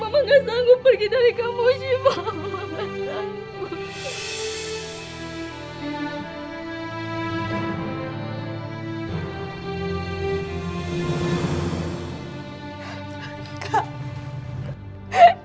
mama gak sanggup pergi dari kamu syifat